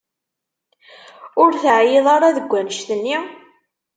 Ur teεyiḍ ara deg annect-nni?